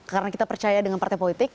karena kita percaya dengan partai politik